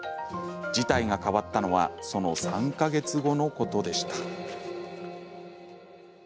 事態が変わったのはその３か月後のことでした。